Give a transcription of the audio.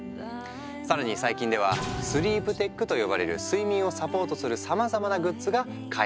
更に最近ではスリープテックと呼ばれる睡眠をサポートするさまざまなグッズが開発されている。